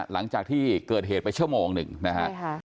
หลังจากที่เกิดเหตุไปชั่วโมงหนึ่งนะฮะ